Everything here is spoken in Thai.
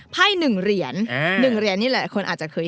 ไพ่๑เหรียญ๑เหรียญนี่หลายคนอาจจะเคย